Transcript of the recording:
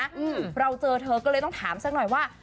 อืมเราเจอเธอก็เลยต้องถามสักหน่อยว่า